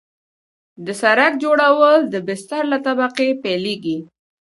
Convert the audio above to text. د سرک جوړول د بستر له طبقې پیلیږي